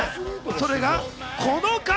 それがこの方。